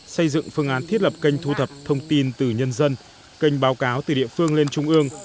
xây dựng phương án thiết lập kênh thu thập thông tin từ nhân dân kênh báo cáo từ địa phương lên trung ương